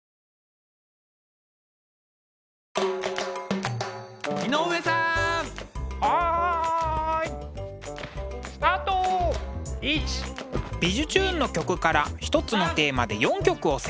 「びじゅチューン！」の曲から一つのテーマで４曲をセレクト。